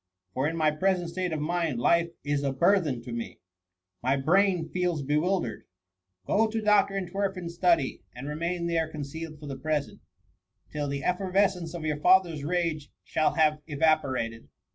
For in my present state of mind, life is a burthen to me; — my brain feels bewildered.'' " Go to Dr. Entwerfen's study, and remain there concealed for the present, till the effer vescence of your father's rage shall have eva porated.